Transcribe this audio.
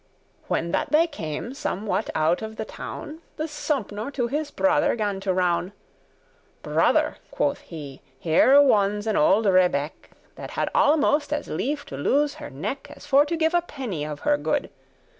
When that they came somewhat out of the town, This Sompnour to his brother gan to rown; "Brother," quoth he, "here wons* an old rebeck,<14> *dwells That had almost as lief to lose her neck. As for to give a penny of her good.